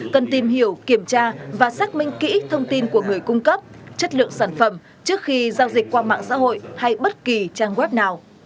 cần tìm hiểu kiểm tra và xác minh kỹ thông tin của người cung cấp chất lượng sản phẩm trước khi giao dịch qua mạng xã hội hay bất kỳ trang web nào